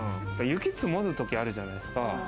雪、積もる時あるじゃないですか。